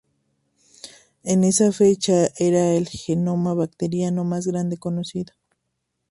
En esa fecha era el genoma bacteriano más grande conocido.